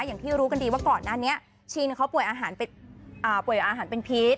อย่างที่รู้กันดีว่าก่อนหน้านี้ชินเขาป่วยอาหารเป็นพีช